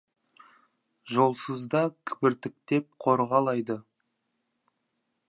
Жолсызда кібіртіктеп қорғалайды.